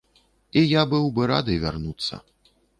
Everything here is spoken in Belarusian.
І я быў бы рады вярнуцца.